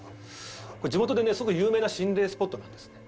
これ地元でねすごく有名な心霊スポットなんですね。